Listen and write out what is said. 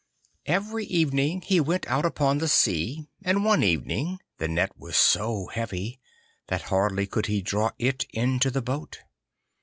Every evening he went out upon the sea, and one evening the net was so heavy that hardly could he draw it into the boat.